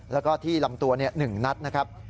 แล้วก็ที่ลำตัว๑นัดนะครับ